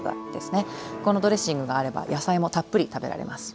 このドレッシングがあれば野菜もたっぷり食べられます。